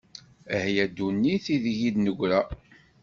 Ah ya ddunit, ideg i d-negra!